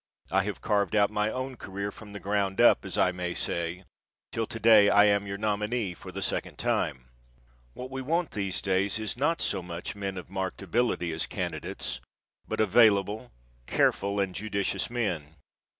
I have carved out my own career from the ground up, as I may say, till to day I am your nominee for the second time. What we want these days is not so much men of marked ability as candidates but available, careful and judicious men.